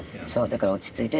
だから落ち着いて。